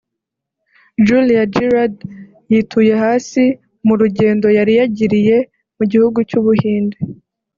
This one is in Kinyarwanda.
Julia Gillard yituye hasi mu rugendo yari yagiriye mu gihugu cy’u Buhinde